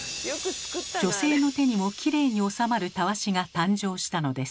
女性の手にもきれいに収まるたわしが誕生したのです。